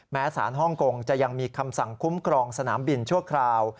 แม้สารฮ่องกงจะยังมีคำสั่งคุ้มครองสนามบินชั่วคราว